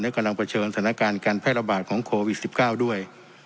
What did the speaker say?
กำลังเผชิญสถานการณ์การแพร่ระบาดของโควิด๑๙ด้วย